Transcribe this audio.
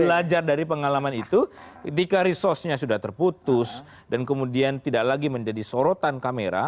belajar dari pengalaman itu ketika resource nya sudah terputus dan kemudian tidak lagi menjadi sorotan kamera